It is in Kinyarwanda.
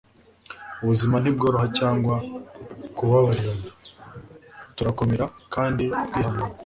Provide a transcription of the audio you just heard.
ubuzima ntibworoha cyangwa kubabarirana, turakomera kandi twihangana